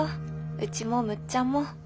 うちもむっちゃんも。